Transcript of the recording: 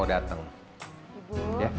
itu harus gitu mah